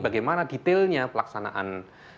karena detailnya pelaksanaan